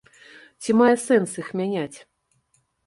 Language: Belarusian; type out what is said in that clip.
Ці мае сэнс іх мяняць?